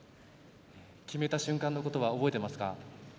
決めた瞬間のことは覚えていますか？